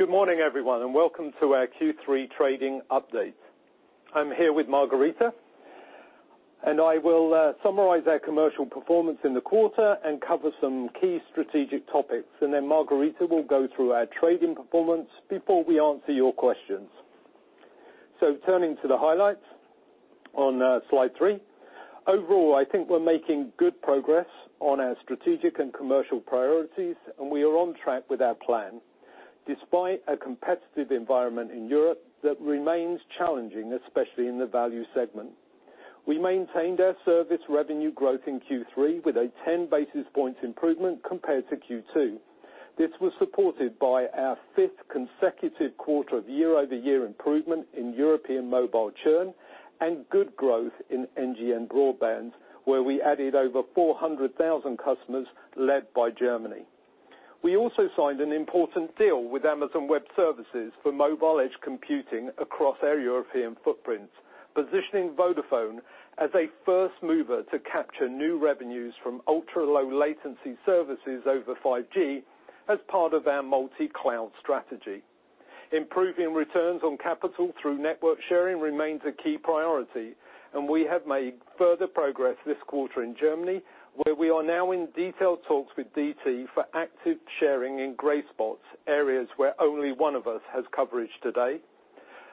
Good morning, everyone, welcome to our Q3 trading update. I'm here with Margherita, I will summarize our commercial performance in the quarter and cover some key strategic topics. Margherita will go through our trading performance before we answer your questions. Turning to the highlights on Slide three. Overall, I think we're making good progress on our strategic and commercial priorities, and we are on track with our plan, despite a competitive environment in Europe that remains challenging, especially in the value segment. We maintained our service revenue growth in Q3 with a 10-basis-point improvement compared to Q2. This was supported by our fifth consecutive quarter of year-over-year improvement in European mobile churn and good growth in NGN broadband, where we added over 400,000 customers, led by Germany. We also signed an important deal with Amazon Web Services for mobile edge computing across our European footprints, positioning Vodafone as a first mover to capture new revenues from ultra-low latency services over 5G as part of our multi-cloud strategy. Improving returns on capital through network sharing remains a key priority, and we have made further progress this quarter in Germany, where we are now in detailed talks with DT for active sharing in gray spots, areas where only one of us has coverage today.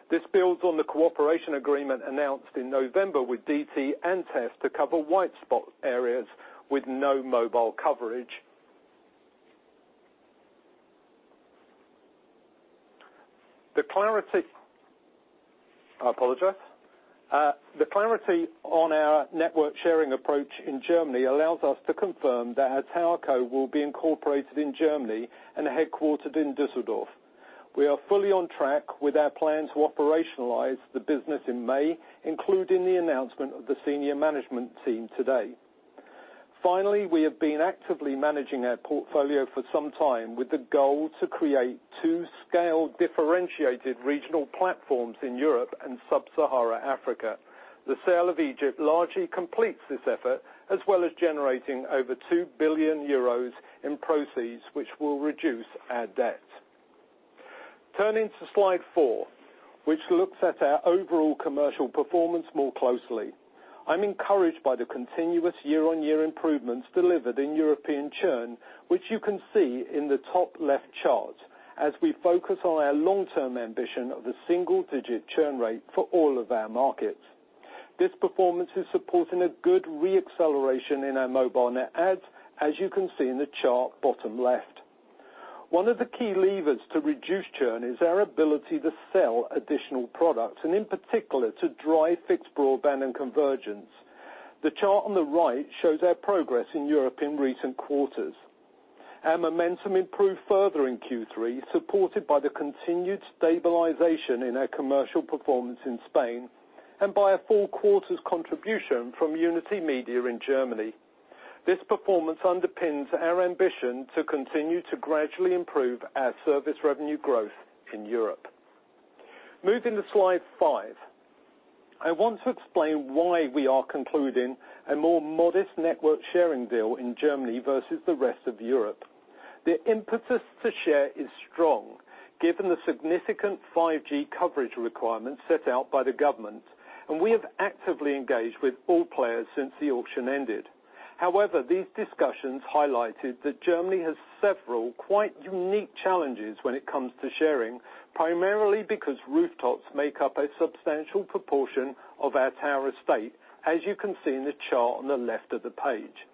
This builds on the cooperation agreement announced in November with DT and TEF to cover white spot areas with no mobile coverage. The clarity on our network sharing approach in Germany allows us to confirm that our tower co will be incorporated in Germany and headquartered in Düsseldorf. We are fully on track with our plan to operationalize the business in May, including the announcement of the senior management team today. We have been actively managing our portfolio for some time with the goal to create two scale differentiated regional platforms in Europe and Sub-Saharan Africa. The sale of Egypt largely completes this effort, as well as generating over 2 billion euros in proceeds, which will reduce our debt. Turning to slide four, which looks at our overall commercial performance more closely. I'm encouraged by the continuous year-on-year improvements delivered in European churn, which you can see in the top left chart as we focus on our long-term ambition of a single-digit churn rate for all of our markets. This performance is supporting a good re-acceleration in our mobile net adds, as you can see in the chart bottom left. One of the key levers to reduce churn is our ability to sell additional products, and in particular, to drive fixed broadband and convergence. The chart on the right shows our progress in Europe in recent quarters. Our momentum improved further in Q3, supported by the continued stabilization in our commercial performance in Spain and by a full quarter's contribution from Unitymedia in Germany. This performance underpins our ambition to continue to gradually improve our service revenue growth in Europe. Moving to slide five. I want to explain why we are concluding a more modest network sharing deal in Germany versus the rest of Europe. The impetus to share is strong, given the significant 5G coverage requirements set out by the government, we have actively engaged with all players since the auction ended. These discussions highlighted that Germany has several quite unique challenges when it comes to sharing, primarily because rooftops make up a substantial proportion of our tower estate, as you can see in the chart on the left of the page.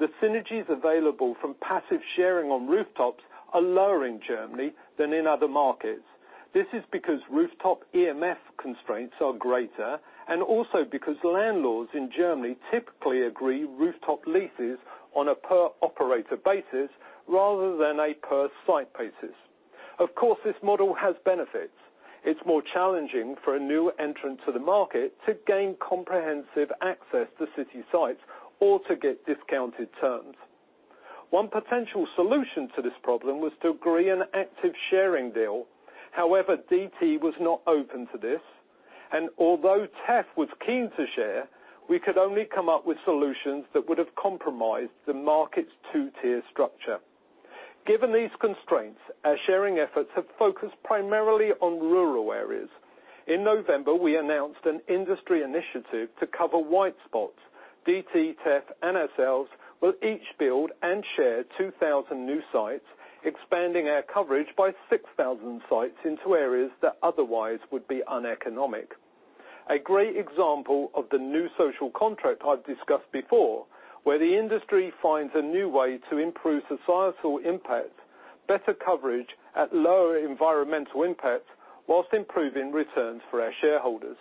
The synergies available from passive sharing on rooftops are lower in Germany than in other markets. This is because rooftop EMF constraints are greater, and also because landlords in Germany typically agree rooftop leases on a per operator basis rather than a per site basis. Of course, this model has benefits. It is more challenging for a new entrant to the market to gain comprehensive access to city sites or to get discounted terms. One potential solution to this problem was to agree an active sharing deal. However, DT was not open to this, and although TEF was keen to share, we could only come up with solutions that would have compromised the market's two-tier structure. Given these constraints, our sharing efforts have focused primarily on rural areas. In November, we announced an industry initiative to cover white spots. DT, TEF, and ourselves will each build and share 2,000 new sites, expanding our coverage by 6,000 sites into areas that otherwise would be uneconomic. A great example of the new social contract I've discussed before, where the industry finds a new way to improve societal impact, better coverage at lower environmental impact, while improving returns for our shareholders.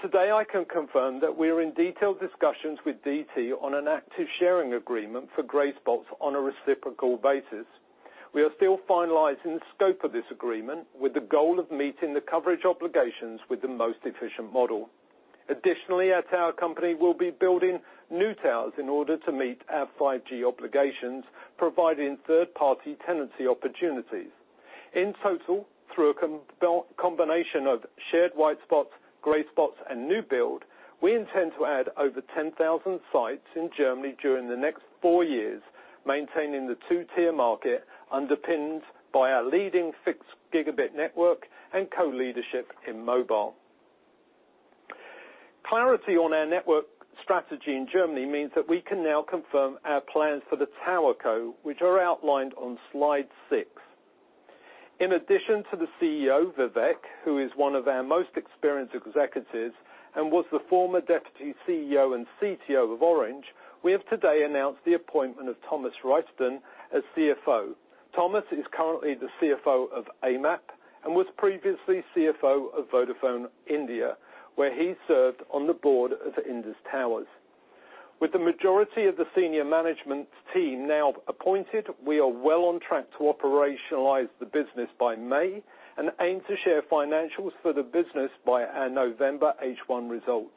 Today, I can confirm that we are in detailed discussions with DT on an active sharing agreement for gray spots on a reciprocal basis. We are still finalizing the scope of this agreement with the goal of meeting the coverage obligations with the most efficient model. Our tower company will be building new towers in order to meet our 5G obligations, providing third-party tenancy opportunities. Through a combination of shared white spots, gray spots, and new build, we intend to add over 10,000 sites in Germany during the next four years, maintaining the 2-tier market underpinned by our leading fixed gigabit network and co-leadership in mobile. Clarity on our network strategy in Germany means that we can now confirm our plans for the TowerCo, which are outlined on slide six. In addition to the CEO, Vivek, who is one of our most experienced executives and was the former Deputy CEO and CTO of Orange, we have today announced the appointment of Thomas Reisten as CFO. Thomas is currently the CFO of AMAP and was previously CFO of Vodafone India, where he served on the board of Indus Towers. With the majority of the senior management team now appointed, we are well on track to operationalize the business by May and aim to share financials for the business by our November H1 results.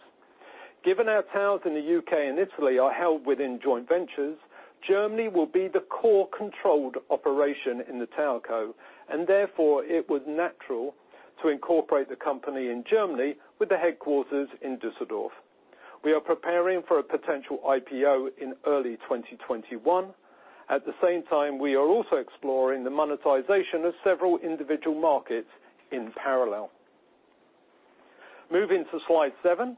Given our towers in the U.K. and Italy are held within joint ventures, Germany will be the core controlled operation in the TowerCo, and therefore, it was natural to incorporate the company in Germany with the headquarters in Düsseldorf. We are preparing for a potential IPO in early 2021. At the same time, we are also exploring the monetization of several individual markets in parallel. Moving to slide seven.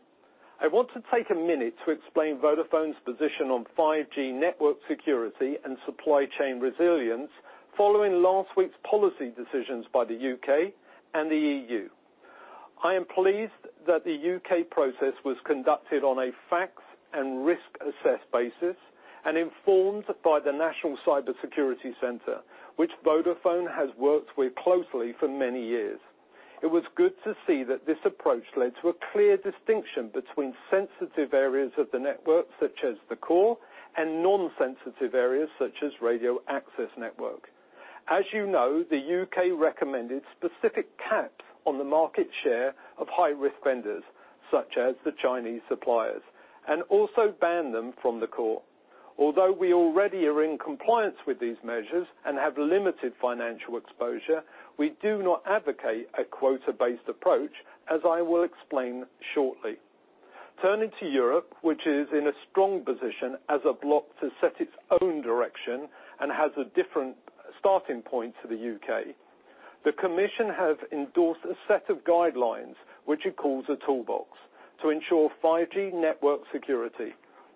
I want to take a minute to explain Vodafone's position on 5G network security and supply chain resilience following last week's policy decisions by the U.K. and the EU. I am pleased that the U.K. process was conducted on a facts and risk assess basis and informed by the National Cyber Security Centre, which Vodafone has worked with closely for many years. It was good to see that this approach led to a clear distinction between sensitive areas of the network, such as the core, and non-sensitive areas such as radio access network. As you know, the U.K. recommended specific caps on the market share of high-risk vendors, such as the Chinese suppliers, and also banned them from the core. Although we already are in compliance with these measures and have limited financial exposure, we do not advocate a quota-based approach, as I will explain shortly. Turning to Europe, which is in a strong position as a bloc to set its own direction and has a different starting point to the U.K. The Commission have endorsed a set of guidelines, which it calls a toolbox, to ensure 5G network security.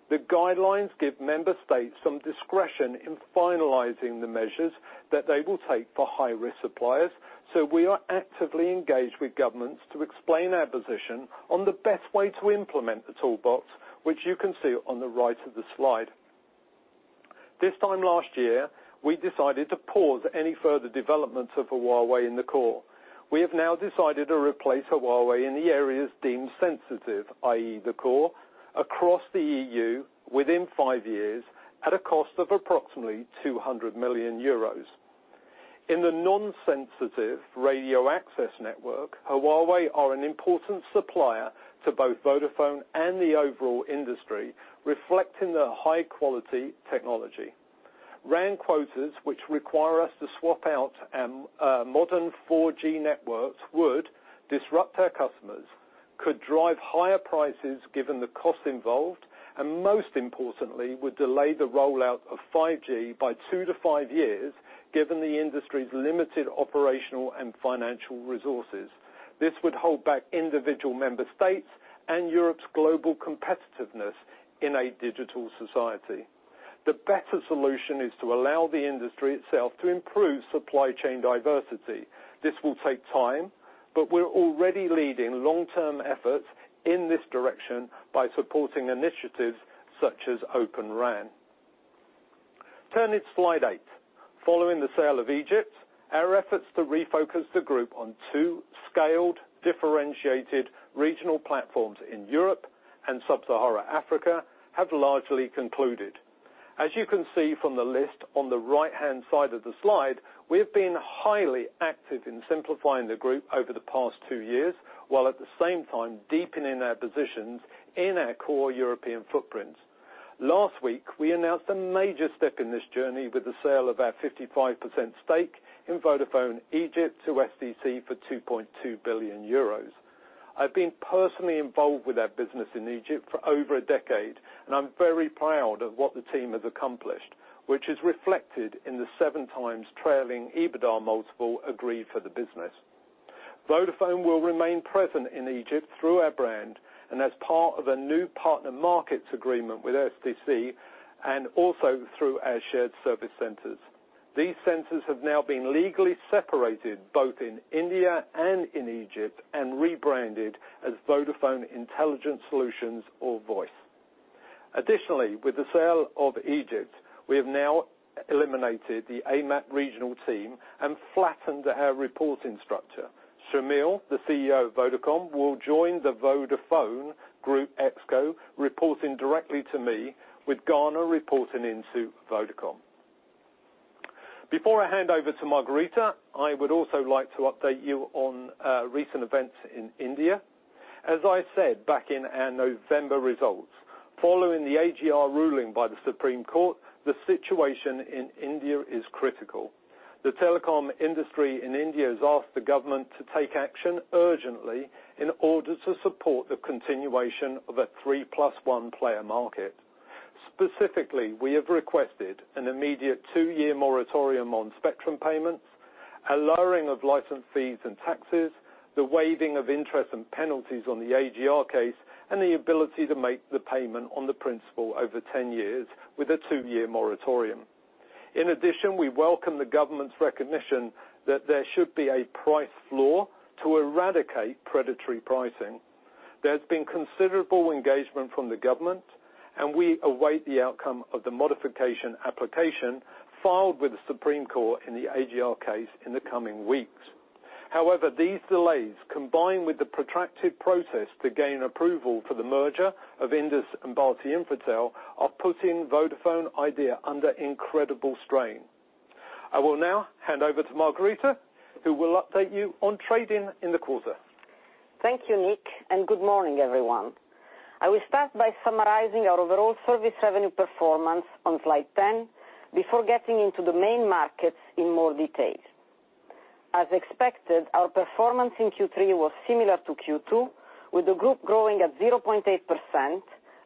The guidelines give member states some discretion in finalizing the measures that they will take for high-risk suppliers. We are actively engaged with governments to explain our position on the best way to implement the toolbox, which you can see on the right of the slide. This time last year, we decided to pause any further developments of Huawei in the core. We have now decided to replace Huawei in the areas deemed sensitive, i.e. the core, across the EU within five years at a cost of approximately 200 million euros. In the non-sensitive radio access network, Huawei are an important supplier to both Vodafone and the overall industry, reflecting their high-quality technology. RAN quotas, which require us to swap out modern 4G networks, would disrupt our customers, could drive higher prices given the cost involved, and most importantly, would delay the rollout of 5G by two to five years, given the industry's limited operational and financial resources. This would hold back individual member states and Europe's global competitiveness in a digital society. The better solution is to allow the industry itself to improve supply chain diversity. This will take time, but we're already leading long-term efforts in this direction by supporting initiatives such as Open RAN. Turning to slide eight. Following the sale of Egypt, our efforts to refocus the group on two scaled, differentiated regional platforms in Europe and Sub-Saharan Africa have largely concluded. As you can see from the list on the right-hand side of the slide, we have been highly active in simplifying the group over the past two years, while at the same time deepening our positions in our core European footprints. Last week, we announced a major step in this journey with the sale of our 55% stake in Vodafone Egypt to STC for 2.2 billion euros. I've been personally involved with our business in Egypt for over a decade, and I'm very proud of what the team has accomplished, which is reflected in the seven times trailing EBITDA multiple agreed for the business. Vodafone will remain present in Egypt through our brand and as part of a new partner markets agreement with STC and also through our shared service centers. These centers have now been legally separated, both in India and in Egypt, and rebranded as Vodafone Intelligent Solutions or VOIS. Additionally, with the sale of Egypt, we have now eliminated the AMAP regional team and flattened our reporting structure. Shameel, the CEO of Vodacom, will join the Vodafone Group ExCo, reporting directly to me, with Ghana reporting into Vodacom. Before I hand over to Margherita, I would also like to update you on recent events in India. As I said back in our November results, following the AGR ruling by the Supreme Court, the situation in India is critical. The telecom industry in India has asked the government to take action urgently in order to support the continuation of a three plus one player market. Specifically, we have requested an immediate two-year moratorium on spectrum payments, a lowering of license fees and taxes, the waiving of interest and penalties on the AGR case, and the ability to make the payment on the principal over 10 years with a two-year moratorium. In addition, we welcome the government's recognition that there should be a price floor to eradicate predatory pricing. There has been considerable engagement from the government, and we await the outcome of the modification application filed with the Supreme Court in the AGR case in the coming weeks. However, these delays, combined with the protracted process to gain approval for the merger of Indus and Bharti Infratel, are putting Vodafone Idea under incredible strain. I will now hand over to Margherita, who will update you on trading in the quarter. Thank you, Nick. Good morning, everyone. I will start by summarizing our overall service revenue performance on slide 10 before getting into the main markets in more detail. As expected, our performance in Q3 was similar to Q2, with the group growing at 0.8%,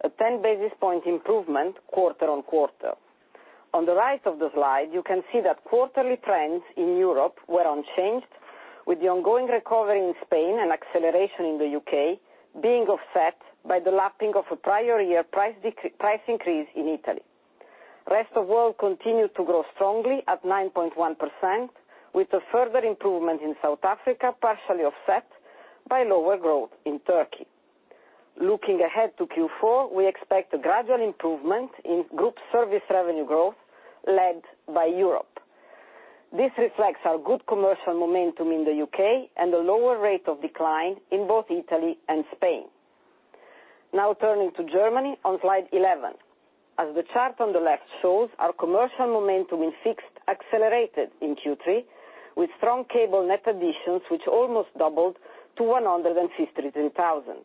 a 10 basis point improvement quarter-on-quarter. On the right of the slide, you can see that quarterly trends in Europe were unchanged with the ongoing recovery in Spain and acceleration in the U.K. being offset by the lapping of a prior year price increase in Italy. Rest of world continued to grow strongly at 9.1%, with a further improvement in South Africa partially offset by lower growth in Turkey. Looking ahead to Q4, we expect a gradual improvement in group service revenue growth led by Europe. This reflects our good commercial momentum in the U.K. and a lower rate of decline in both Italy and Spain. Turning to Germany on Slide 11. As the chart on the left shows, our commercial momentum in fixed accelerated in Q3 with strong cable net additions, which almost doubled to 153,000.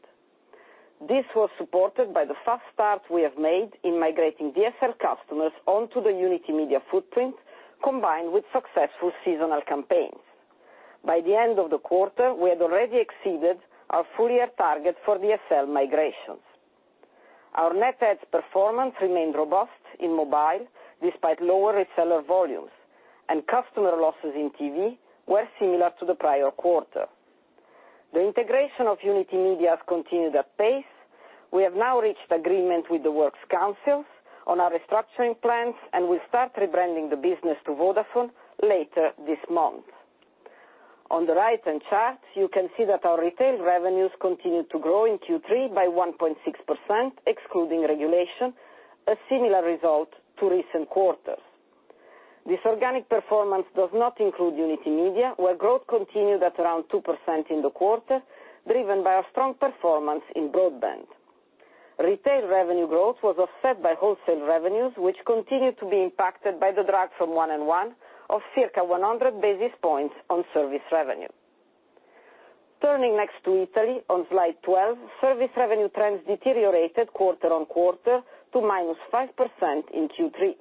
This was supported by the fast start we have made in migrating DSL customers onto the Unitymedia footprint, combined with successful seasonal campaigns. By the end of the quarter, we had already exceeded our full-year target for DSL migrations. Our net adds performance remained robust in mobile despite lower reseller volumes, and customer losses in TV were similar to the prior quarter. The integration of Unitymedia has continued at pace. We have now reached agreement with the works councils on our restructuring plans, and we start rebranding the business to Vodafone later this month. On the right-hand chart, you can see that our retail revenues continued to grow in Q3 by 1.6%, excluding regulation, a similar result to recent quarters. This organic performance does not include Unitymedia, where growth continued at around 2% in the quarter, driven by our strong performance in broadband. Retail revenue growth was offset by wholesale revenues, which continued to be impacted by the drag from 1&1 of circa 100 basis points on service revenue. Turning next to Italy on Slide 12, service revenue trends deteriorated quarter on quarter to -5% in Q3.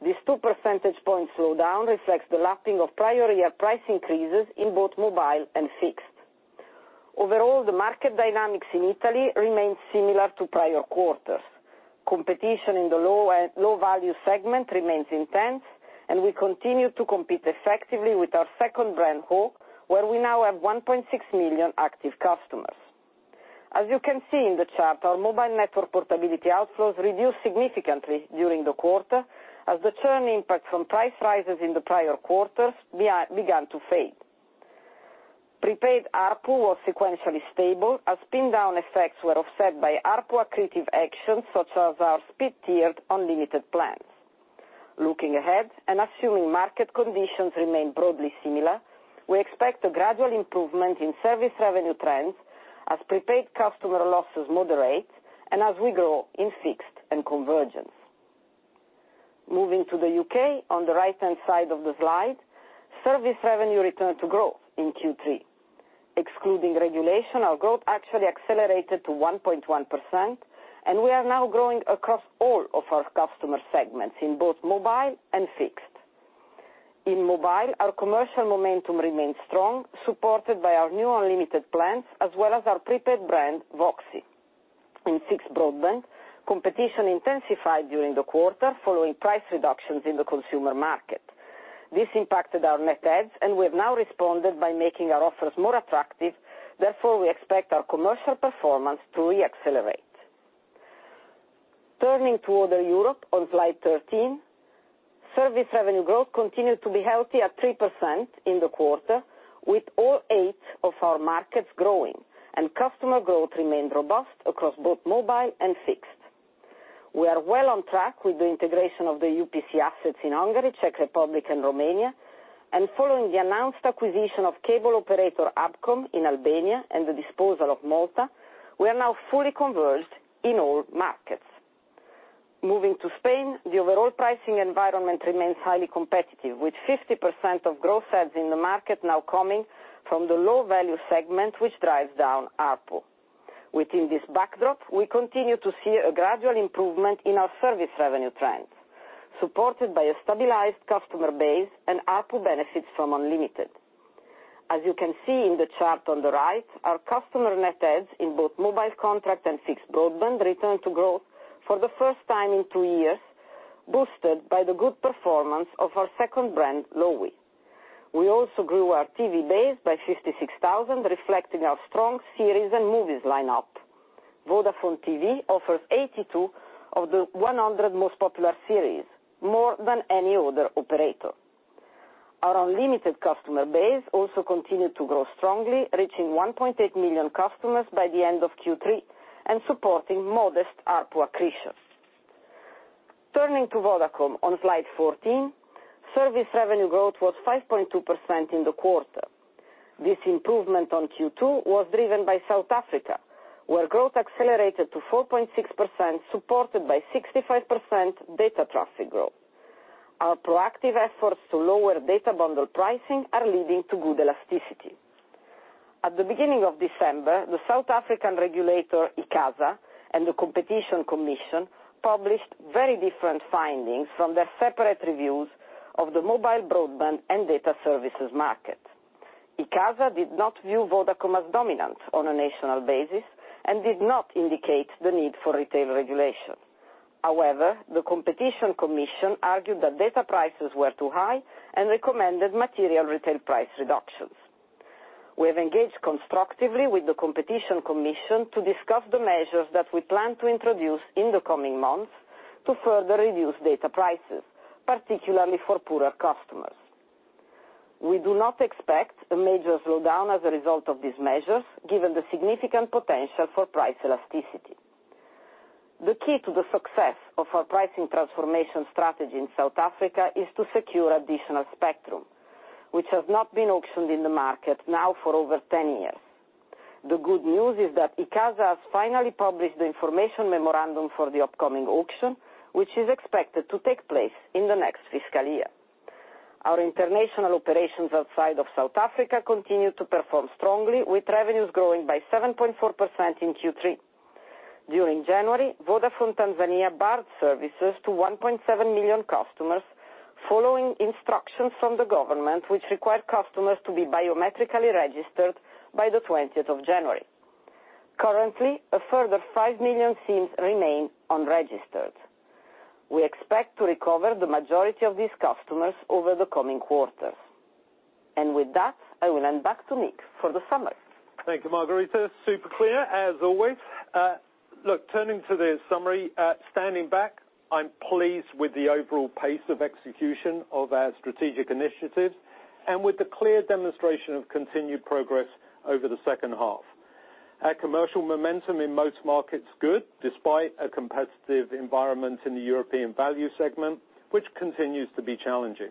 This two-percentage-point slowdown reflects the lapping of prior year price increases in both mobile and fixed. Overall, the market dynamics in Italy remained similar to prior quarters. Competition in the low-value segment remains intense, and we continue to compete effectively with our second brand, ho., where we now have 1.6 million active customers. As you can see in the chart, our mobile network portability outflows reduced significantly during the quarter as the churn impact from price rises in the prior quarters began to fade. Prepaid ARPU was sequentially stable as pin-down effects were offset by ARPU accretive actions such as our speed tiered unlimited plans. Looking ahead and assuming market conditions remain broadly similar, we expect a gradual improvement in service revenue trends as prepaid customer losses moderate and as we grow in fixed and convergence. Moving to the U.K. on the right-hand side of the slide, service revenue returned to growth in Q3. Excluding regulation, our growth actually accelerated to 1.1%, and we are now growing across all of our customer segments in both mobile and fixed. In mobile, our commercial momentum remained strong, supported by our new unlimited plans as well as our prepaid brand, VOXI. In fixed broadband, competition intensified during the quarter following price reductions in the consumer market. This impacted our net adds, and we've now responded by making our offers more attractive. We expect our commercial performance to re-accelerate. Turning to other Europe on Slide 13, service revenue growth continued to be healthy at 3% in the quarter, with all eight of our markets growing, and customer growth remained robust across both mobile and fixed. We are well on track with the integration of the UPC assets in Hungary, Czech Republic, and Romania, and following the announced acquisition of cable operator ABCom in Albania and the disposal of Malta, we are now fully converged in all markets. Moving to Spain, the overall pricing environment remains highly competitive, with 50% of growth adds in the market now coming from the low-value segment, which drives down ARPU. Within this backdrop, we continue to see a gradual improvement in our service revenue trend, supported by a stabilized customer base and ARPU benefits from unlimited. As you can see in the chart on the right, our customer net adds in both mobile contract and fixed broadband returned to growth for the first time in two years, boosted by the good performance of our second brand, Lowi. We also grew our TV base by 56,000, reflecting our strong series and movies lineup. Vodafone TV offers 82 of the 100 most popular series, more than any other operator. Our unlimited customer base also continued to grow strongly, reaching 1.8 million customers by the end of Q3 and supporting modest ARPU accretions. Turning to Vodacom on Slide 14, service revenue growth was 5.2% in the quarter. This improvement on Q2 was driven by South Africa, where growth accelerated to 4.6%, supported by 65% data traffic growth. Our proactive efforts to lower data bundle pricing are leading to good elasticity. At the beginning of December, the South African regulator, ICASA, and the Competition Commission published very different findings from their separate reviews of the mobile broadband and data services market. ICASA did not view Vodacom as dominant on a national basis and did not indicate the need for retail regulation. However, the Competition Commission argued that data prices were too high and recommended material retail price reductions. We have engaged constructively with the Competition Commission to discuss the measures that we plan to introduce in the coming months to further reduce data prices, particularly for poorer customers. We do not expect a major slowdown as a result of these measures, given the significant potential for price elasticity. The key to the success of our pricing transformation strategy in South Africa is to secure additional spectrum, which has not been auctioned in the market now for over 10 years. The good news is that ICASA has finally published the information memorandum for the upcoming auction, which is expected to take place in the next fiscal year. Our international operations outside of South Africa continue to perform strongly, with revenues growing by 7.4% in Q3. During January, Vodafone Tanzania barred services to 1.7 million customers following instructions from the government, which required customers to be biometrically registered by the 20th of January. Currently, a further 5 million SIMs remain unregistered. We expect to recover the majority of these customers over the coming quarters. With that, I will hand back to Nick for the summary. Thank you, Margherita. Super clear, as always. Turning to the summary. Standing back, I'm pleased with the overall pace of execution of our strategic initiatives and with the clear demonstration of continued progress over the second half. Our commercial momentum in most markets, good, despite a competitive environment in the European value segment, which continues to be challenging.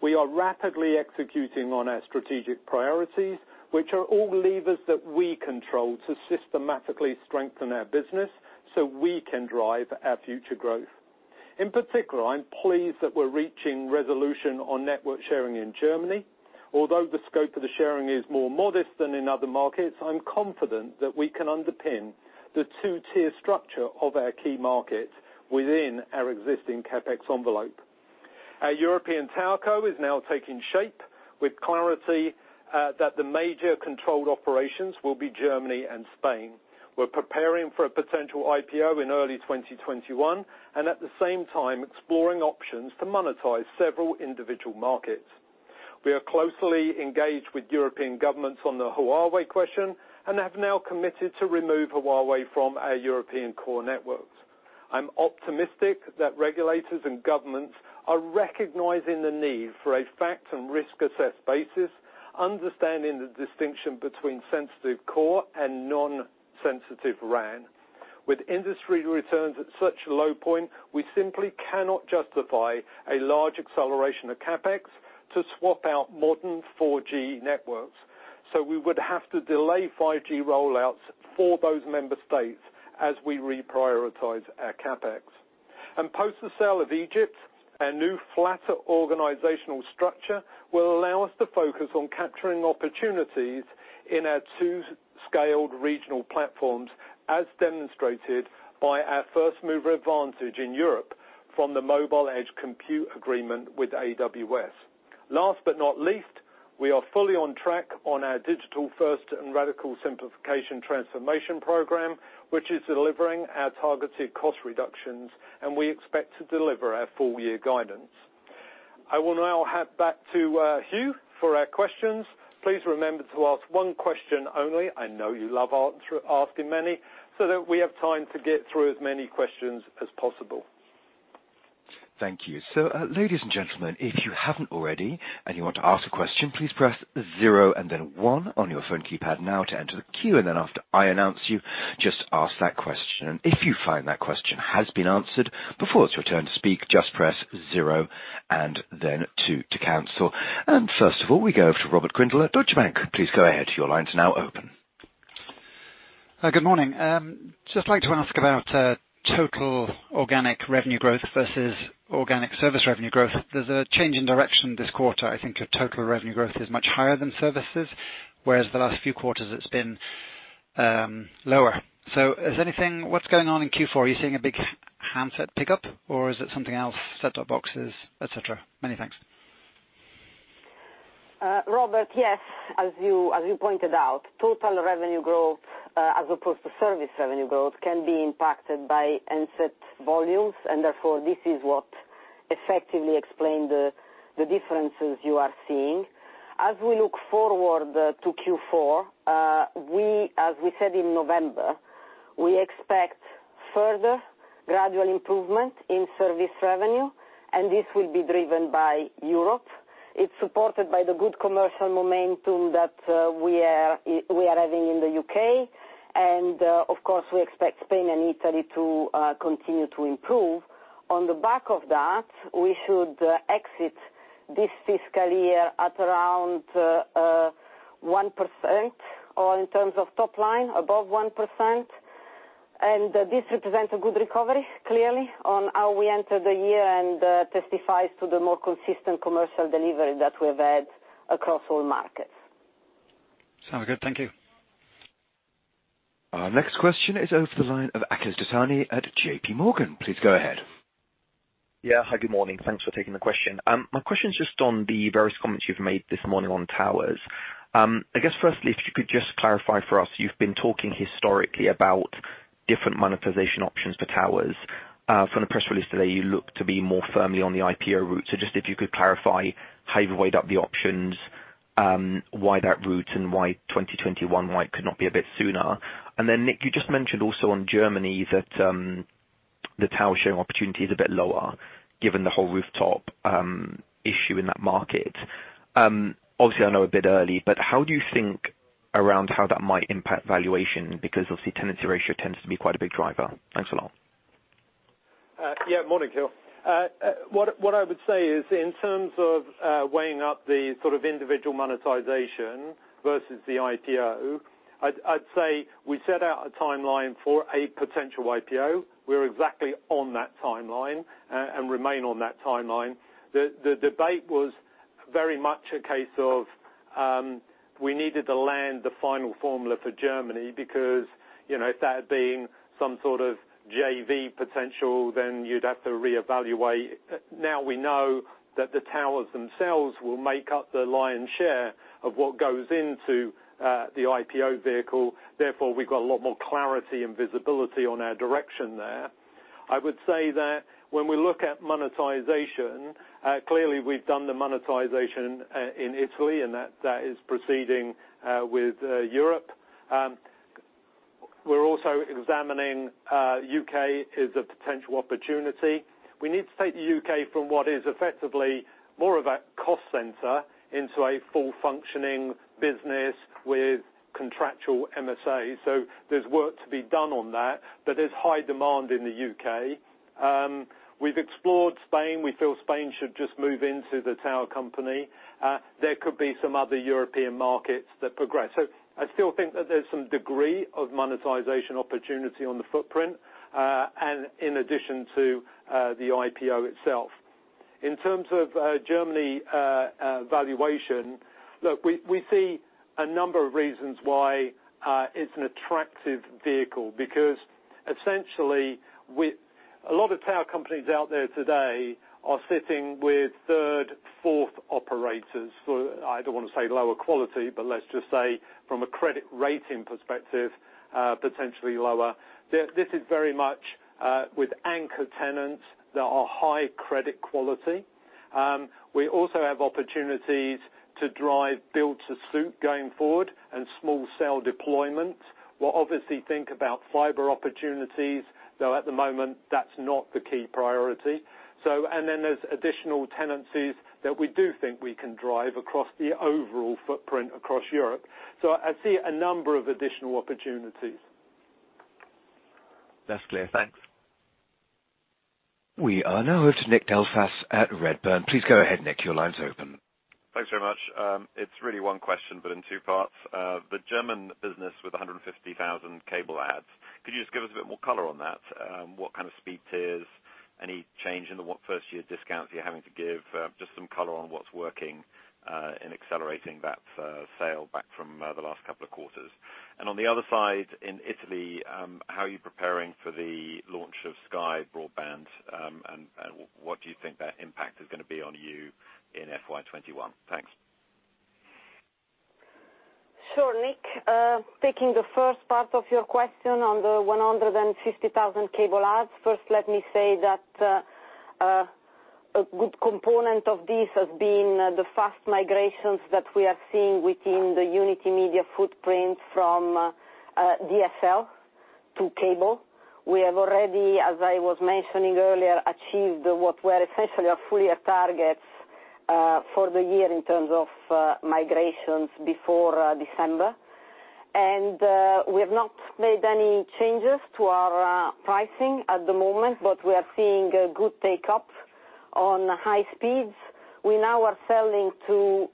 We are rapidly executing on our strategic priorities, which are all levers that we control to systematically strengthen our business so we can drive our future growth. In particular, I'm pleased that we're reaching resolution on network sharing in Germany. Although the scope of the sharing is more modest than in other markets, I'm confident that we can underpin the two-tier structure of our key markets within our existing CapEx envelope. Our European telco is now taking shape, with clarity that the major controlled operations will be Germany and Spain. We're preparing for a potential IPO in early 2021, and at the same time exploring options to monetize several individual markets. We are closely engaged with European governments on the Huawei question and have now committed to remove Huawei from our European core networks. I'm optimistic that regulators and governments are recognizing the need for a fact and risk assessed basis, understanding the distinction between sensitive core and non-sensitive RAN. With industry returns at such a low point, we simply cannot justify a large acceleration of CapEx to swap out modern 4G networks, so we would have to delay 5G rollouts for those member states as we reprioritize our CapEx. Post the sale of Egypt, our new flatter organizational structure will allow us to focus on capturing opportunities in our two scaled regional platforms, as demonstrated by our first-mover advantage in Europe from the mobile edge compute agreement with AWS. Last but not least, we are fully on track on our digital-first and radical simplification transformation program, which is delivering our targeted cost reductions, and we expect to deliver our full year guidance. I will now hand back to Hugh for our questions. Please remember to ask one question only, I know you love asking many, so that we have time to get through as many questions as possible. Thank you. Ladies and gentlemen, if you haven't already and you want to ask a question, please press zero and then one on your phone keypad now to enter the queue. After I announce you, just ask that question. If you find that question has been answered before it's your turn to speak, just press zero and then two to cancel. First of all, we go over to Robert Grindle, Deutsche Bank. Please go ahead. Your line's now open. Good morning. Just like to ask about total organic revenue growth versus organic service revenue growth. There's a change in direction this quarter. I think your total revenue growth is much higher than services, whereas the last few quarters it's been lower. What's going on in Q4? Are you seeing a big handset pickup or is it something else, set-top boxes, et cetera? Many thanks. Robert, yes. As you pointed out, total revenue growth, as opposed to service revenue growth, can be impacted by handset volumes. Therefore, this is what effectively explain the differences you are seeing. As we look forward to Q4, as we said in November, we expect further gradual improvement in service revenue. This will be driven by Europe. It's supported by the good commercial momentum that we are having in the U.K. Of course, we expect Spain and Italy to continue to improve. On the back of that, we should exit this fiscal year at around 1%, or in terms of top line, above 1%. This represents a good recovery, clearly, on how we enter the year and testifies to the more consistent commercial delivery that we've had across all markets. Sound good. Thank you. Our next question is over the line of Akhil Dattani at JPMorgan. Please go ahead. Hi, good morning. Thanks for taking the question. My question's just on the various comments you've made this morning on towers. Firstly, if you could just clarify for us, you've been talking historically about different monetization options for towers. From the press release today, you look to be more firmly on the IPO route. Just if you could clarify how you've weighed up the options, why that route, and why 2021, why it could not be a bit sooner. Nick, you just mentioned also on Germany that the tower sharing opportunity is a bit lower given the whole rooftop issue in that market. I know a bit early, how do you think around how that might impact valuation? Tenancy ratio tends to be quite a big driver. Thanks a lot. Yeah, morning, Akhil. What I would say is in terms of weighing up the individual monetization versus the IPO, I'd say we set out a timeline for a potential IPO. We're exactly on that timeline, and remain on that timeline. The debate was very much a case of, we needed to land the final formula for Germany because if that had been some sort of JV potential, then you'd have to reevaluate. We know that the towers themselves will make up the lion's share of what goes into the IPO vehicle, therefore, we've got a lot more clarity and visibility on our direction there. I would say that when we look at monetization, clearly we've done the monetization in Italy, and that is proceeding with Europe. We're also examining U.K. as a potential opportunity. We need to take the U.K. from what is effectively more of a cost center into a full functioning business with contractual MSAs. There's work to be done on that, but there's high demand in the U.K. We've explored Spain. We feel Spain should just move into the tower company. There could be some other European markets that progress. I still think that there's some degree of monetization opportunity on the footprint, and in addition to the IPO itself. In terms of Germany valuation, look, we see a number of reasons why it's an attractive vehicle because essentially, a lot of tower companies out there today are sitting with third, fourth operators. I don't want to say lower quality, but let's just say from a credit rating perspective, potentially lower. This is very much with anchor tenants that are high credit quality. We also have opportunities to drive build to suit going forward and small cell deployment. We'll obviously think about fiber opportunities, though at the moment, that's not the key priority. There's additional tenancies that we do think we can drive across the overall footprint across Europe. I see a number of additional opportunities. That's clear. Thanks. We are now with Nick Delis at Redburn. Please go ahead, Nick. Your line's open. Thanks very much. It's really one question, but in two parts. The German business with 150,000 cable adds. Could you just give us a bit more color on that? What kind of speed tiers, any change in the first-year discounts you're having to give? Just some color on what's working, in accelerating that sale back from the last couple of quarters. On the other side, in Italy, how are you preparing for the launch of Sky Broadband, and what do you think that impact is going to be on you in FY 2021? Thanks. Sure, Nick. Taking the first part of your question on the 150,000 cable adds. First, let me say that a good component of this has been the fast migrations that we are seeing within the Unitymedia footprint from DSL to cable. We have already, as I was mentioning earlier, achieved what were essentially our full year targets for the year in terms of migrations before December. We have not made any changes to our pricing at the moment, but we are seeing a good take-up on high speeds. We now are selling to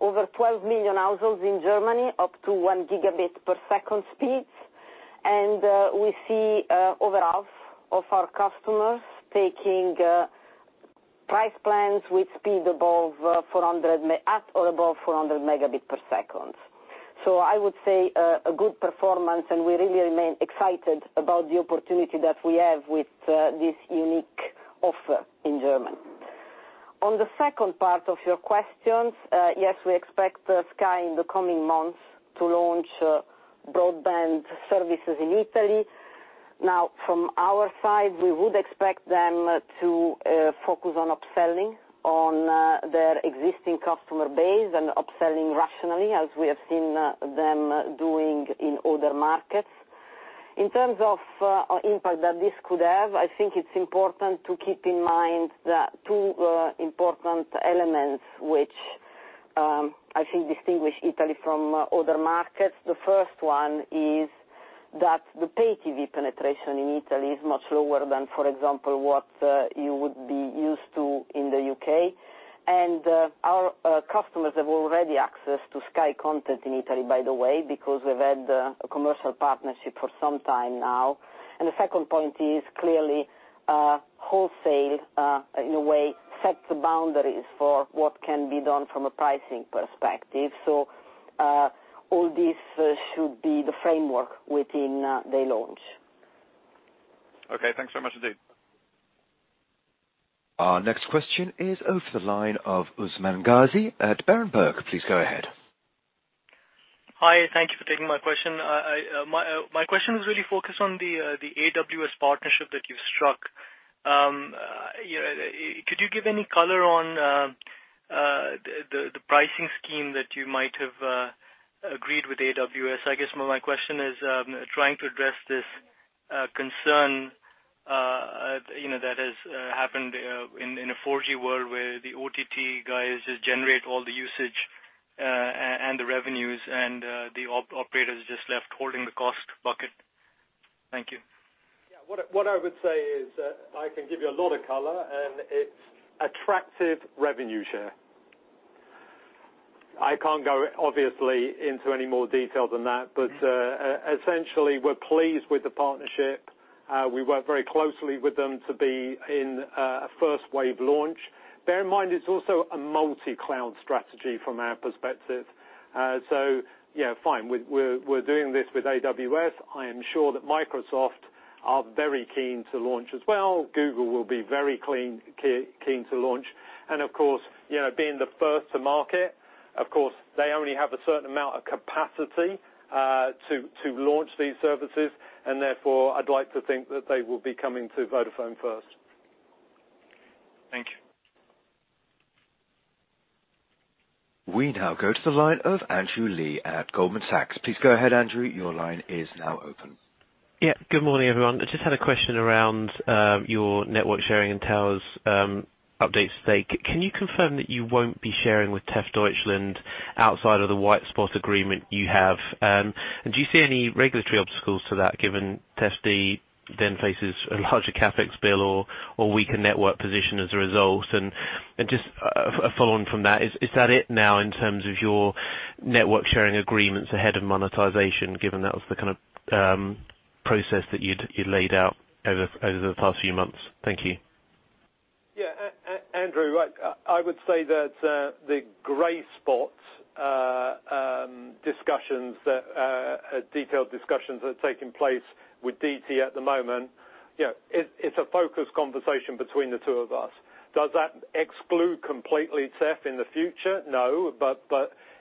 over 12 million households in Germany, up to one gigabit per second speeds. We see over half of our customers taking price plans with speed at or above 400 megabits per second. I would say a good performance, and we really remain excited about the opportunity that we have with this unique offer in Germany. On the second part of your questions, yes, we expect Sky in the coming months to launch broadband services in Italy. Now, from our side, we would expect them to focus on upselling on their existing customer base and upselling rationally, as we have seen them doing in other markets. In terms of impact that this could have, I think it's important to keep in mind two important elements which I think distinguish Italy from other markets. The first one is that the pay TV penetration in Italy is much lower than, for example, what you would be used to in the U.K. Our customers have already access to Sky content in Italy, by the way, because we've had a commercial partnership for some time now. The second point is, clearly, wholesale, in a way, sets the boundaries for what can be done from a pricing perspective. All this should be the framework within the launch. Okay, thanks so much indeed. Our next question is over the line of Usman Ghazi at Berenberg. Please go ahead. Hi. Thank you for taking my question. My question was really focused on the AWS partnership that you've struck. Could you give any color on the pricing scheme that you might have agreed with AWS? I guess my question is trying to address this concern that has happened in a 4G world where the OTT guys just generate all the usage and the revenues and the operators are just left holding the cost bucket. Thank you. Yeah. What I would say is, I can give you a lot of color, and it's attractive revenue share. I can't go, obviously, into any more detail than that. Essentially, we're pleased with the partnership. We work very closely with them to be in a first wave launch. Bear in mind, it's also a multi-cloud strategy from our perspective. Yeah, fine. We're doing this with AWS. I am sure that Microsoft are very keen to launch as well. Google will be very keen to launch. Of course, being the first to market, of course, they only have a certain amount of capacity to launch these services, and therefore I'd like to think that they will be coming to Vodafone first. Thank you. We now go to the line of Andrew Lee at Goldman Sachs. Please go ahead, Andrew. Your line is now open. Good morning, everyone. I just had a question around your network sharing and towers updates today. Can you confirm that you won't be sharing with Telefónica Deutschland outside of the white spot agreement you have? Do you see any regulatory obstacles to that, given Tef D then faces a larger CapEx bill or weaker network position as a result? Just a follow-on from that, is that it now, in terms of your network sharing agreements ahead of monetization, given that was the kind of process that you'd laid out over the past few months? Thank you. Yeah. Andrew, I would say that the gray spots discussions, detailed discussions that are taking place with DT at the moment, it's a focused conversation between the two of us. Does that exclude completely Tef in the future? No.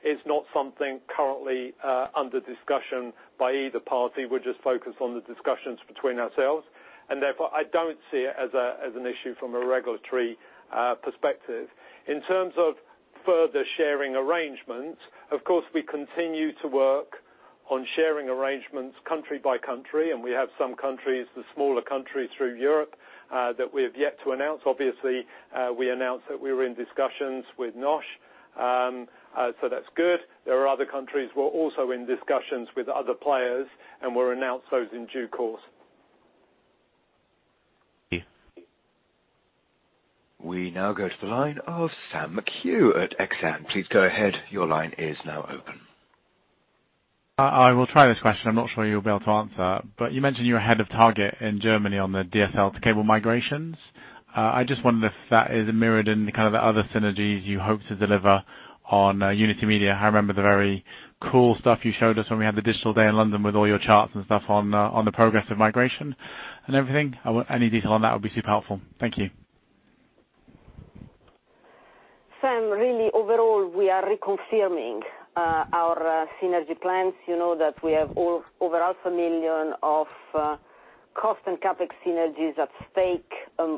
It's not something currently under discussion by either party. We're just focused on the discussions between ourselves, and therefore, I don't see it as an issue from a regulatory perspective. In terms of further sharing arrangements, of course, we continue to work on sharing arrangements country by country, and we have some countries, the smaller countries through Europe, that we have yet to announce. Obviously, we announced that we were in discussions with NOS. That's good. There are other countries we're also in discussions with other players, and we'll announce those in due course. We now go to the line of Sam McRee at Exane. Please go ahead. Your line is now open. I will try this question. I am not sure you will be able to answer. You mentioned you were ahead of target in Germany on the DSL to cable migrations. I just wondered if that is mirrored in the other synergies you hope to deliver on Unitymedia. I remember the very cool stuff you showed us when we had the Digital Day in London with all your charts and stuff on the progress of migration and everything. Any detail on that would be super helpful. Thank you. Sam, really, overall, we are reconfirming our synergy plans. You know that we have over half a million of cost and CapEx synergies at stake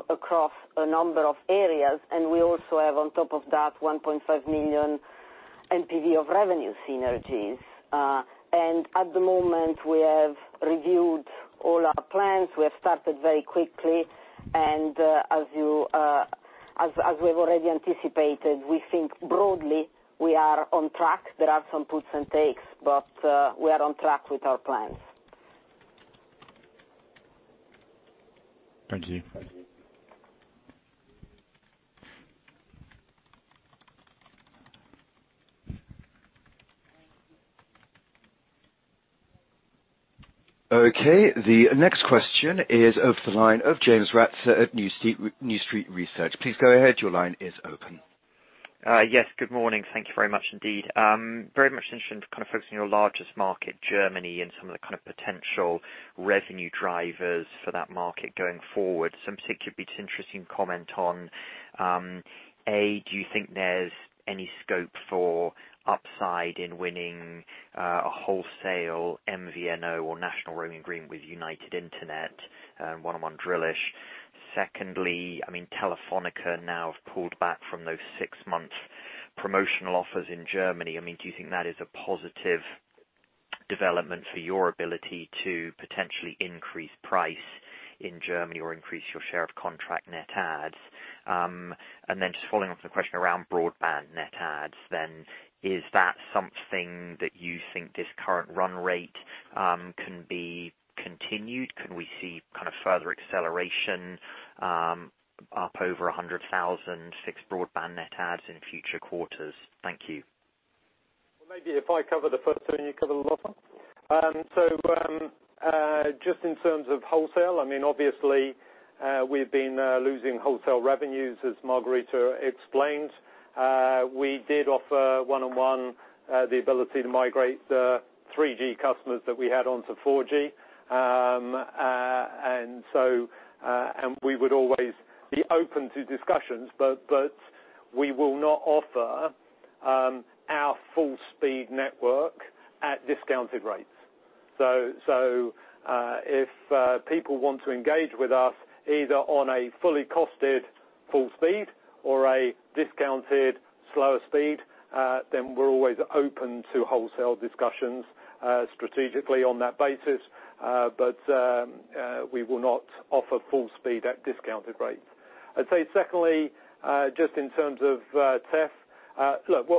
across a number of areas, and we also have, on top of that, 1.5 million NPV of revenue synergies. At the moment, we have reviewed all our plans. We have started very quickly, and as we've already anticipated, we think broadly we are on track. There are some puts and takes, but we are on track with our plans. Thank you. Okay. The next question is of the line of James Ratzer at New Street Research. Please go ahead. Your line is open. Yes, good morning. Thank you very much indeed. Very much interested in focusing on your largest market, Germany, and some of the potential revenue drivers for that market going forward. Some particularly interesting comment on, A, do you think there's any scope for upside in winning a wholesale MVNO or national roaming agreement with United Internet, 1&1 Drillisch? Secondly, Telefónica now have pulled back from those six-month promotional offers in Germany. Do you think that is a positive development for your ability to potentially increase price in Germany or increase your share of contract net adds? Just following up with a question around broadband net adds, then. Is that something that you think this current run rate can be continued? Can we see further acceleration up over 100,000 fixed broadband net adds in future quarters? Thank you. Maybe if I cover the first two and you cover the last one. Just in terms of wholesale, obviously, we've been losing wholesale revenues, as Margherita explained. We did offer 1&1 the ability to migrate the 3G customers that we had onto 4G. We would always be open to discussions, but we will not offer our full-speed network at discounted rates. If people want to engage with us, either on a fully costed full speed or a discounted slower speed, then we're always open to wholesale discussions strategically on that basis. We will not offer full speed at discounted rates. Secondly, just in terms of Telefónica.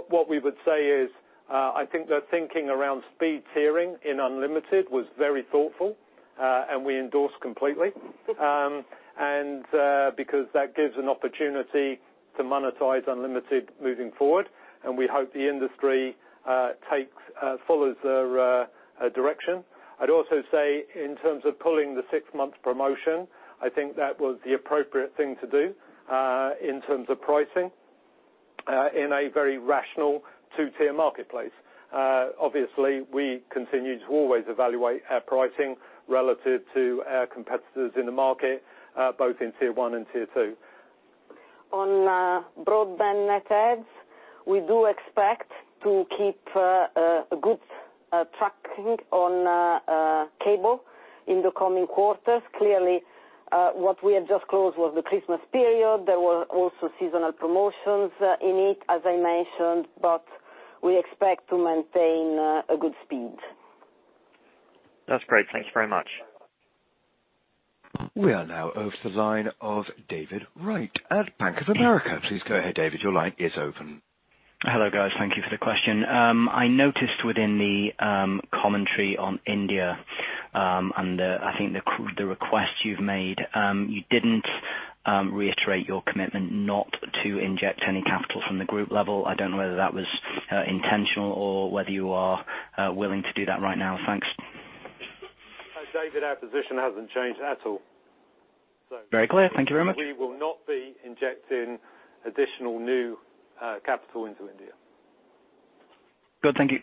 What we would say is, I think the thinking around speed tiering in Unlimited was very thoughtful, and we endorse completely. That gives an opportunity to monetize Unlimited moving forward, and we hope the industry follows their direction. I'd also say in terms of pulling the six-month promotion, I think that was the appropriate thing to do, in terms of pricing, in a very rational 2-tier marketplace. Obviously, we continue to always evaluate our pricing relative to our competitors in the market, both in tier 1 and tier 2. On broadband net adds, we do expect to keep a good tracking on cable in the coming quarters. Clearly, what we had just closed was the Christmas period. There were also seasonal promotions in it, as I mentioned, but we expect to maintain a good speed. That's great. Thank you very much. We are now over to the line of David Wright at Bank of America. Please go ahead, David. Your line is open. Hello, guys. Thank you for the question. I noticed within the commentary on India, and I think the request you've made. You didn't reiterate your commitment not to inject any capital from the Group level. I don't know whether that was intentional or whether you are willing to do that right now? Thanks. David, our position hasn't changed at all. Very clear. Thank you very much. We will not be injecting additional new capital into India. Good. Thank you.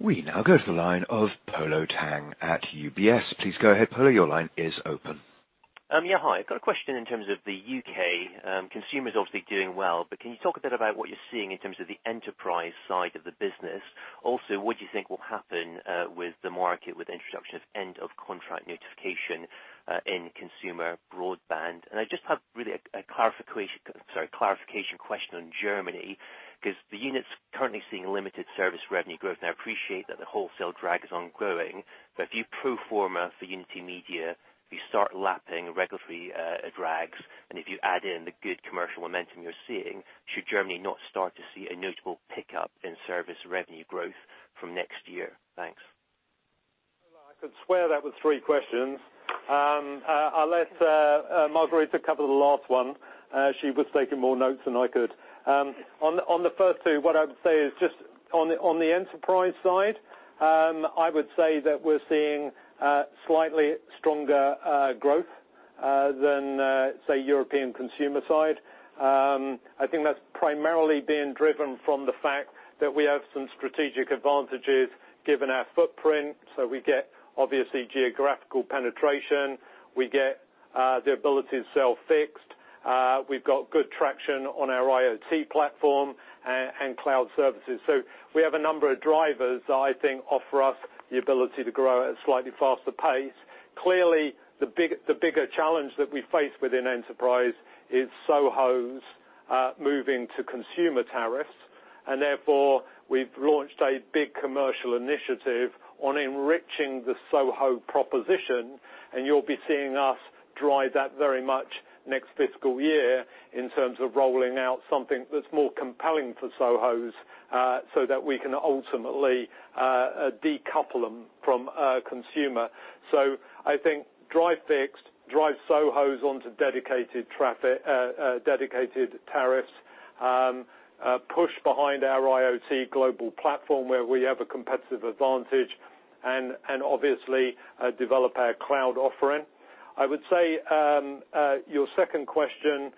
We now go to the line of Polo Tang at UBS. Please go ahead, Polo. Your line is open. Hi. Got a question in terms of the U.K. Consumers obviously doing well, but can you talk a bit about what you're seeing in terms of the enterprise side of the business? What do you think will happen with the market with the introduction of end-of-contract notification in consumer broadband? I just have really a clarification question on Germany, because the unit's currently seeing limited service revenue growth. I appreciate that the wholesale drag is ongoing. If you pro forma for Unitymedia, you start lapping regulatory drags, and if you add in the good commercial momentum you're seeing. Should Germany not start to see a notable pickup in service revenue growth from next year? Thanks. I could swear that was three questions. I'll let Margherita cover the last one. She was taking more notes than I could. On the first two, what I would say is just on the enterprise side, I would say that we're seeing slightly stronger growth than, say, European consumer side. I think that's primarily being driven from the fact that we have some strategic advantages given our footprint. We get, obviously, geographical penetration. We get the ability to sell fixed. We've got good traction on our IoT platform and cloud services. We have a number of drivers that I think offer us the ability to grow at a slightly faster pace. Clearly, the bigger challenge that we face within enterprise is SOHOs moving to consumer tariffs. Therefore, we've launched a big commercial initiative on enriching the SOHO proposition, and you'll be seeing us drive that very much next fiscal year in terms of rolling out something that's more compelling for SOHOs, so that we can ultimately decouple them from consumer. I think drive fixed, drive SOHOs onto dedicated tariffs, push behind our IoT global platform where we have a competitive advantage, and obviously develop our cloud offering. I would say your second question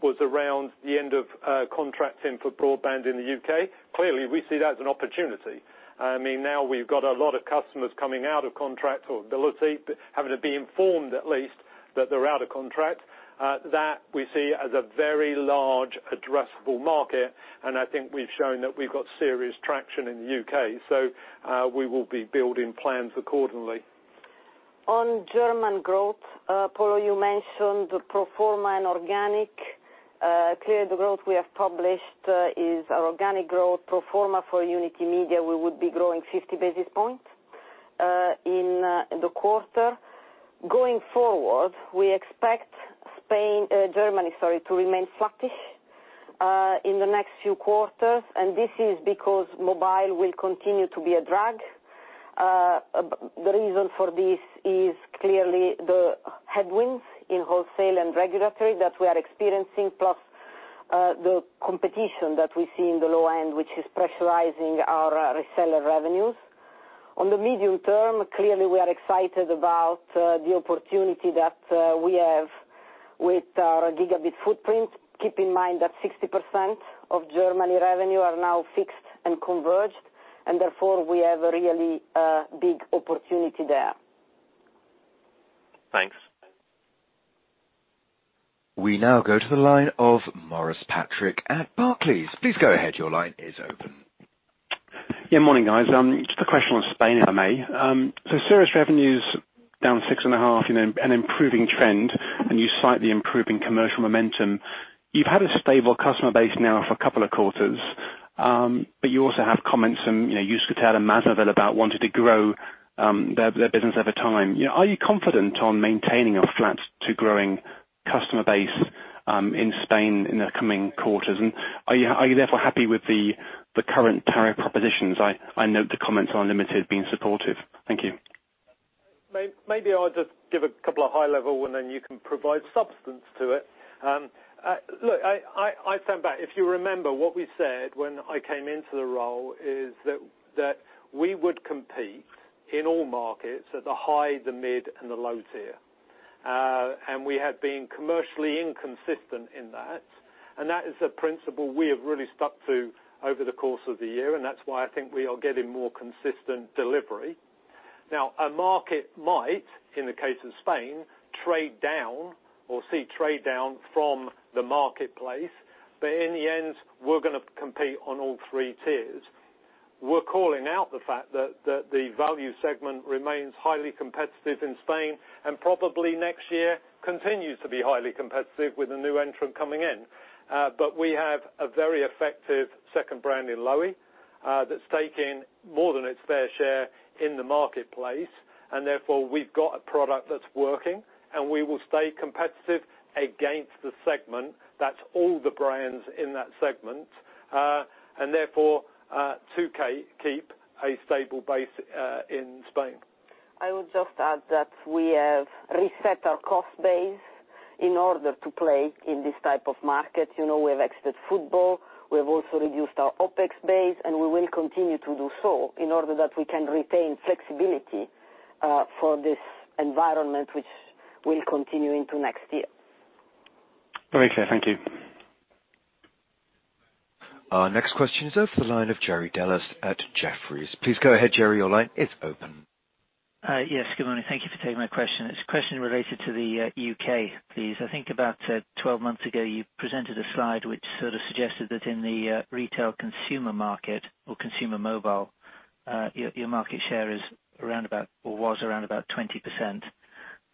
was around the end of contracting for broadband in the U.K. Clearly, we see that as an opportunity. Now we've got a lot of customers coming out of contract or having to be informed at least that they're out of contract. That we see as a very large addressable market, I think we've shown that we've got serious traction in the U.K. We will be building plans accordingly. On German growth, Polo, you mentioned the pro forma and organic. Clearly, the growth we have published is our organic growth pro forma for Unitymedia, we would be growing 50 basis points in the quarter. Going forward, we expect Germany to remain flattish in the next few quarters, and this is because mobile will continue to be a drag. The reason for this is clearly the headwinds in wholesale and regulatory that we are experiencing, plus the competition that we see in the low end, which is pressurizing our reseller revenues. On the medium term, clearly we are excited about the opportunity that we have with our gigabit footprint. Keep in mind that 60% of Germany revenue are now fixed and converged, and therefore, we have a really big opportunity there. Thanks. We now go to the line of Maurice Patrick at Barclays. Please go ahead. Your line is open. Yeah, morning, guys. Just a question on Spain, if I may. Service revenues down 6.5% in an improving trend, and you cite the improving commercial momentum. You've had a stable customer base now for a couple of quarters. You also have comments from Yusuke Tada and MásMóvil about wanting to grow their business over time. Are you confident on maintaining a flat to growing customer base in Spain in the coming quarters? Are you therefore happy with the current tariff propositions? I note the comments on Lowi being supportive. Thank you. Maybe I'll just give a couple of high level, and then you can provide substance to it. Look, I stand back. If you remember what we said when I came into the role is that we would compete in all markets at the high, the mid, and the low tier. We had been commercially inconsistent in that. That is a principle we have really stuck to over the course of the year, and that's why I think we are getting more consistent delivery. Now, a market might, in the case of Spain, trade down or see trade down from the marketplace. In the end, we're going to compete on all 3 tiers. We're calling out the fact that the value segment remains highly competitive in Spain, and probably next year continues to be highly competitive with a new entrant coming in. We have a very effective second brand in Lowi, that's taking more than its fair share in the marketplace. Therefore, we've got a product that's working, and we will stay competitive against the segment. That's all the brands in that segment. Therefore, to keep a stable base in Spain. I would just add that we have reset our cost base in order to play in this type of market. We have exited football. We have also reduced our OPEX base, we will continue to do so in order that we can retain flexibility for this environment which will continue into next year. Very clear. Thank you. Our next question is over the line of Jerry Dellis at Jefferies. Please go ahead, Jerry. Your line is open. Yes, good morning. Thank you for taking my question. It's a question related to the U.K., please. I think about 12 months ago, you presented a slide which sort of suggested that in the retail consumer market or consumer mobile, your market share was around about 20%.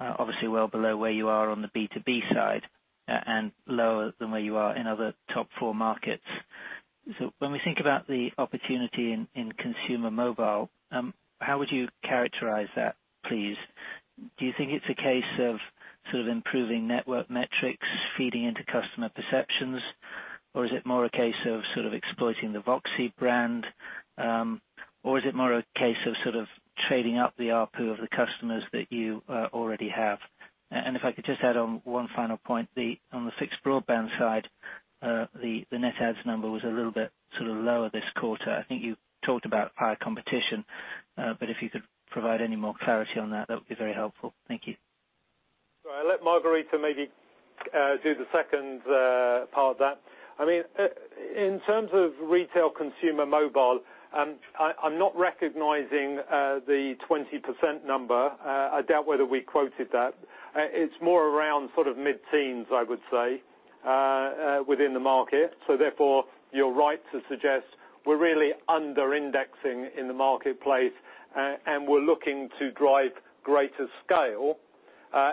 Obviously, well below where you are on the B2B side, and lower than where you are in other top four markets. When we think about the opportunity in consumer mobile, how would you characterize that, please? Do you think it's a case of sort of improving network metrics feeding into customer perceptions? Or is it more a case of sort of exploiting the VOXI brand? Or is it more a case of sort of trading up the ARPU of the customers that you already have? If I could just add on one final point, on the fixed broadband side, the net adds number was a little bit sort of lower this quarter. I think you talked about higher competition. If you could provide any more clarity on that would be very helpful. Thank you. I'll let Margherita maybe do the second part of that. In terms of retail consumer mobile, I'm not recognizing the 20% number. I doubt whether we quoted that. It's more around sort of mid-teens, I would say, within the market. Therefore, you're right to suggest we're really under-indexing in the marketplace, and we're looking to drive greater scale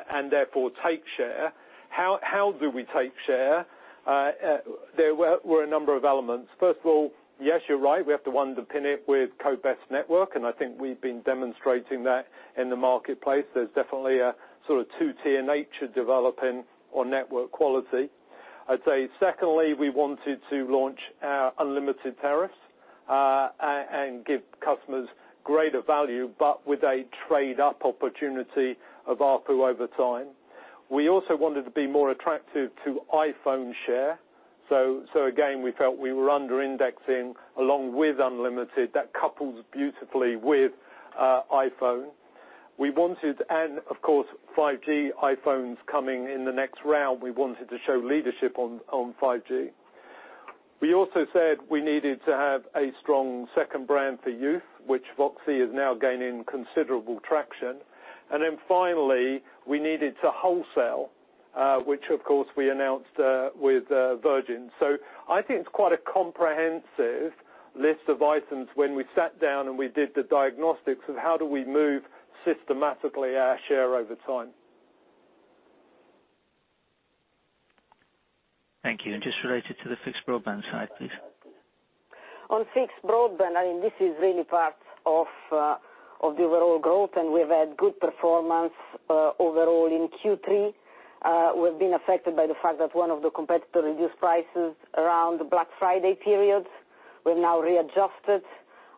and therefore take share. How do we take share? There were a number of elements. First of all, yes, you're right, we have to underpin it with best network, and I think we've been demonstrating that in the marketplace. There's definitely a sort of two-tier nature developing on network quality. I'd say secondly, we wanted to launch our unlimited tariffs, and give customers greater value, but with a trade-up opportunity of ARPU over time. We also wanted to be more attractive to iPhone share. Again, we felt we were under-indexing along with unlimited. That couples beautifully with iPhone. Of course, 5G iPhone's coming in the next round. We wanted to show leadership on 5G. We also said we needed to have a strong second brand for youth, which VOXI is now gaining considerable traction. Finally, we needed to wholesale, which of course we announced with Virgin. I think it's quite a comprehensive list of items when we sat down and we did the diagnostics of how do we move systematically our share over time. Thank you. Just related to the fixed broadband side, please. On fixed broadband, this is really part of the overall growth, and we've had good performance overall in Q3. We've been affected by the fact that one of the competitor reduced prices around the Black Friday period. We've now readjusted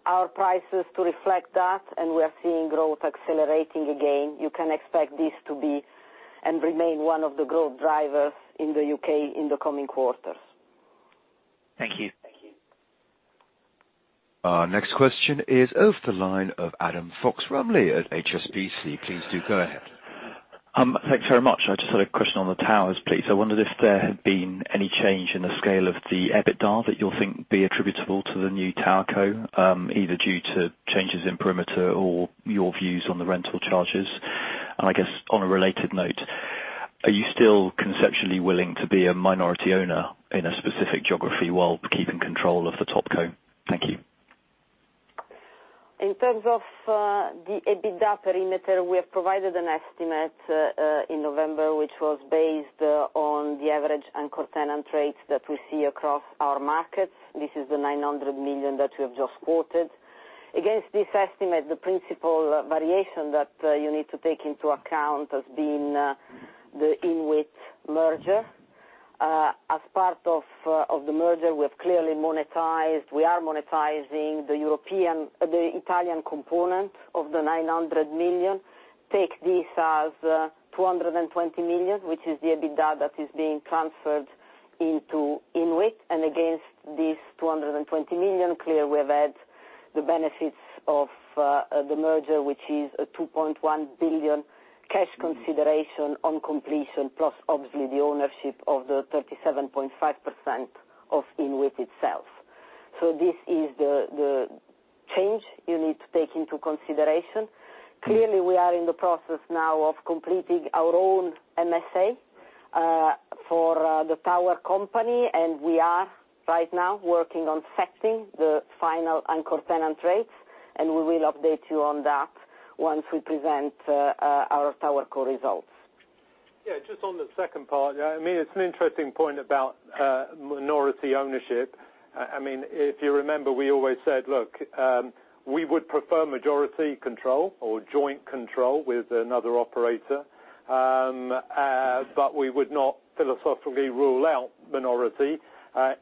our prices to reflect that, and we are seeing growth accelerating again. You can expect this to be and remain one of the growth drivers in the U.K. in the coming quarters. Thank you. Our next question is over the line of Adam Fox-Rumley at HSBC. Please do go ahead. Thanks very much. I just had a question on the towers, please. I wondered if there had been any change in the scale of the EBITDA that you'll think would be attributable to the new Vantage Towers, either due to changes in perimeter or your views on the rental charges. I guess on a related note, are you still conceptually willing to be a minority owner in a specific geography while keeping control of the TowerCo? Thank you. In terms of the EBITDA perimeter, we have provided an estimate in November, which was based on the average anchor tenant rates that we see across our markets. This is the 900 million that we have just quoted. Against this estimate, the principal variation that you need to take into account has been the INWIT merger. As part of the merger, we are monetizing the Italian component of the 900 million. Take this as 220 million, which is the EBITDA that is being transferred into INWIT. Against this 220 million, clearly we have had the benefits of the merger, which is a 2.1 billion cash consideration on completion, plus obviously the ownership of the 37.5% of INWIT itself. This is the change you need to take into consideration. Clearly, we are in the process now of completing our own MSA, for the tower company. We are right now working on setting the final anchor tenant rates, and we will update you on that once we present our Vantage Towers results. Yeah, just on the second part. It's an interesting point about minority ownership. If you remember, we always said, look, we would prefer majority control or joint control with another operator, but we would not philosophically rule out minority,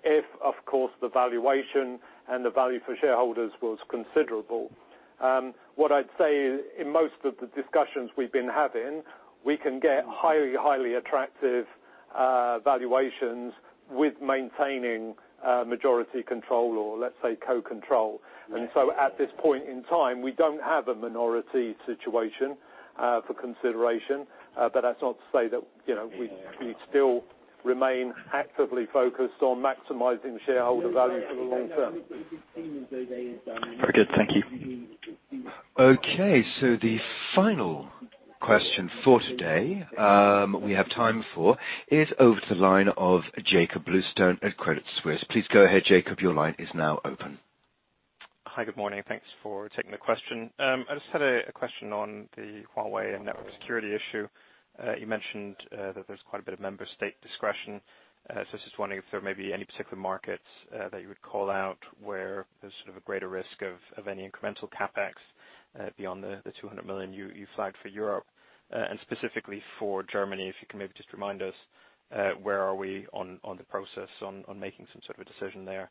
if of course, the valuation and the value for shareholders was considerable. What I'd say in most of the discussions we've been having, we can get highly attractive valuations with maintaining majority control or let's say co-control. At this point in time, we don't have a minority situation for consideration. That's not to say that we still remain actively focused on maximizing shareholder value for the long term. Very good, thank you. Okay, the final question for today we have time for is over to the line of Jakob Bluestone at Credit Suisse. Please go ahead, Jakob. Your line is now open. Hi, good morning. Thanks for taking the question. I just had a question on the Huawei and network security issue. You mentioned that there's quite a bit of member state discretion. I was just wondering if there may be any particular markets that you would call out where there's sort of a greater risk of any incremental CapEx beyond the 200 million you flagged for Europe. Specifically for Germany, if you can maybe just remind us, where are we on the process on making some sort of a decision there?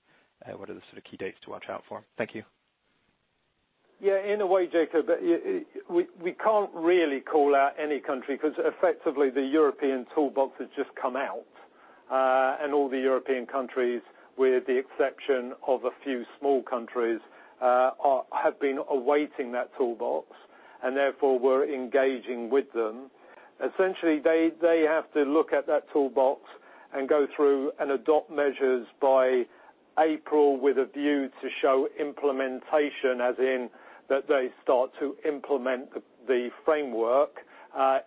What are the sort of key dates to watch out for? Thank you. In a way, Jakob, we can't really call out any country because effectively the European toolbox has just come out. All the European countries, with the exception of a few small countries, have been awaiting that toolbox, and therefore we're engaging with them. Essentially, they have to look at that toolbox and go through and adopt measures by April with a view to show implementation, as in that they start to implement the framework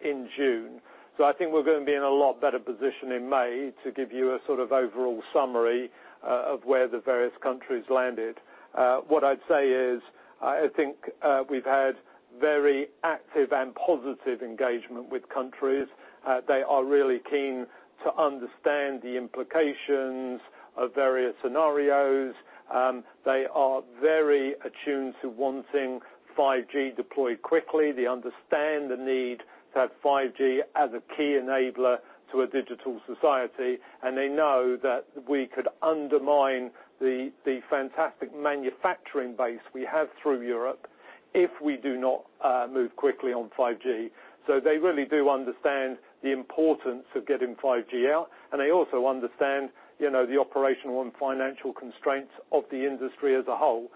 in June. I think we're going to be in a lot better position in May to give you a sort of overall summary of where the various countries landed. What I'd say is, I think we've had very active and positive engagement with countries. They are really keen to understand the implications of various scenarios. They are very attuned to wanting 5G deployed quickly. They understand the need to have 5G as a key enabler to a digital society. They know that we could undermine the fantastic manufacturing base we have through Europe if we do not move quickly on 5G. They really do understand the importance of getting 5G out. They also understand the operational and financial constraints of the industry as a whole.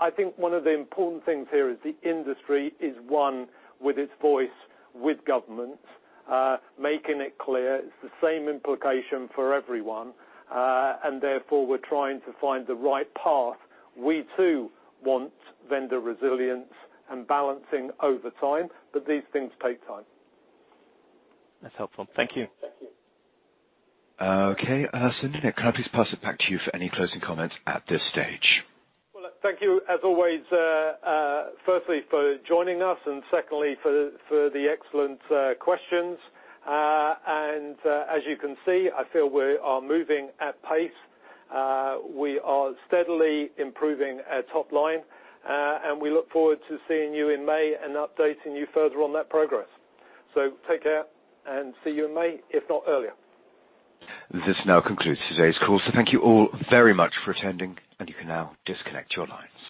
I think one of the important things here is the industry is one with its voice with government, making it clear it's the same implication for everyone, and therefore, we're trying to find the right path. We too want vendor resilience and balancing over time. These things take time. That's helpful. Thank you. Okay. Cynthia, can I please pass it back to you for any closing comments at this stage? Well, thank you as always, firstly for joining us, and secondly for the excellent questions. As you can see, I feel we are moving at pace. We are steadily improving our top line. We look forward to seeing you in May and updating you further on that progress. Take care and see you in May, if not earlier. This now concludes today's call. Thank you all very much for attending, and you can now disconnect your lines.